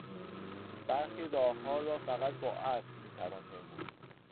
برخی راهها را فقط با اسب میتوان پیمود.